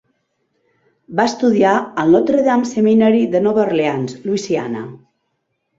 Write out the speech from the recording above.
Va estudiar al Notre Dame Seminary de Nova Orleans, Louisiana.